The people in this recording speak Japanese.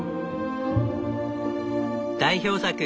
代表作